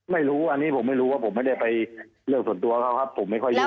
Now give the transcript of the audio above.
ไม่รู้อันนี้ผมไม่รู้ว่าผมไม่ได้ไปเรื่องส่วนตัวเขาครับผมไม่ค่อยรู้